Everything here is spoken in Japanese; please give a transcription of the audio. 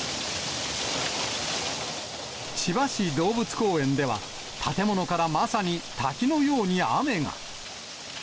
千葉市動物公園では、建物からまさに滝のように雨が。